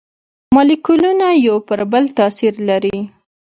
مالیکولونه یو پر بل تاثیر لري.